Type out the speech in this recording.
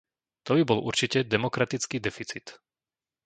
To by bol určite demokratický deficit!